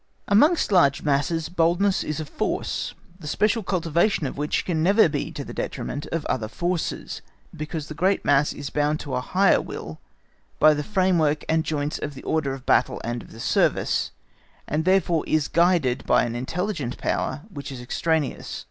Amongst large masses, boldness is a force, the special cultivation of which can never be to the detriment of other forces, because the great mass is bound to a higher will by the frame work and joints of the order of battle and of the service, and therefore is guided by an intelligent power which is extraneous.